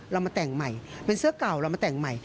เรามาแต่งใหม่เป็นเสื้อเก่าเรามาแต่งใหม่